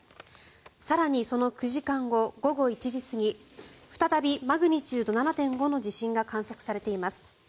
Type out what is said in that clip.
更に、その９時間後午後１時過ぎ再びマグニチュード７．５の地震が観測されています。